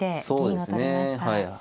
そうですねはい。